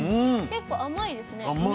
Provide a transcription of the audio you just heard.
結構甘いですね。